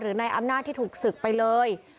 ในอำนาจที่ถูกศึกไปเลย